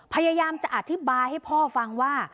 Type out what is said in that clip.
พยายามจะอธิบายให้พ่อฟังว่า